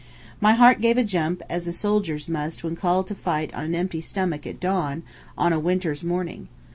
My heart gave a jump, as a soldier's must when called to fight on an empty stomach at dawn on a winter's morning.